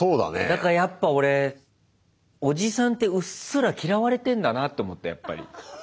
だからやっぱ俺おじさんってうっすら嫌われてんだなと思ったやっぱり。